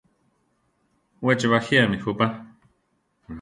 We che bajíami jupa.